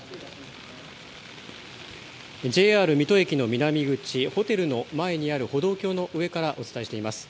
ＪＲ水戸駅の南口、ホテルの前にある歩道橋の上からお伝えしています。